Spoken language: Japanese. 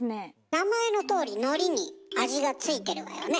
名前のとおりのりに味が付いてるわよね。